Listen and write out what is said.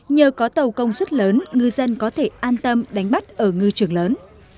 nhờ có tàu công suất lớn ngư dân có thể an tâm đánh bắt ở ngư trường lớn